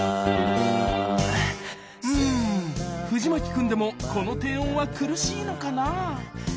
うん藤牧くんでもこの低音は苦しいのかな